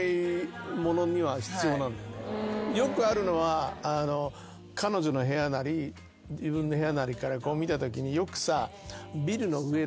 よくあるのは彼女の部屋なり自分の部屋なりから見たときによくさ。